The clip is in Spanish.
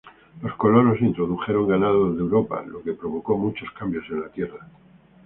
Los colonos introdujeron ganado de Europa, lo que provocó muchos cambios en la tierra.